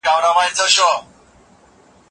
معلم صاحب ولي زموږ پاڼه وړاندي کوي؟